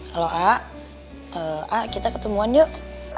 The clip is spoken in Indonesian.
halo a a kita ketemuan yuk